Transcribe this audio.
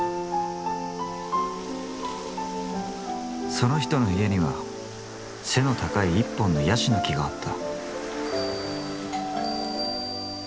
そのひとの家には背の高い一本のヤシの木があった。